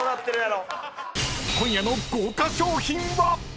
［今夜の豪華賞品は⁉］